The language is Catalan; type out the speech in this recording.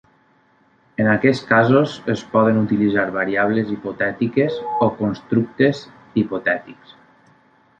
En aquests casos es poden utilitzar variables hipotètiques o constructes hipotètics.